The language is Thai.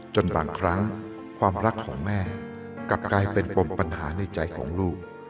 จนบางครั้งความรักของแม่กลับกลายเป็นปมปัญหาในใจของลูก